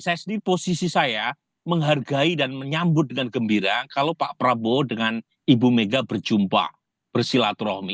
saya sendiri posisi saya menghargai dan menyambut dengan gembira kalau pak prabowo dengan ibu mega berjumpa bersilaturahmi